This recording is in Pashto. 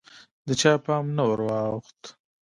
د چا پام نه وراوښت